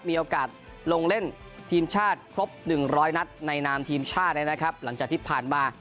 มีโอกาสลงเล่นทีมชาติครบ๑๐๐นัดในนามทีมชาตินะครับหลังจากที่ผ่านมา